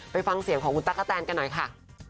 ฟังเสียงของคุณตั๊กกะแตนกันหน่อยค่ะ